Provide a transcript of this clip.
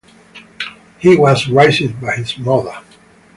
He was raised by his mother.